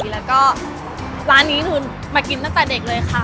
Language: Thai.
แล้วก็ร้านนี้คือมากินตั้งแต่เด็กเลยค่ะ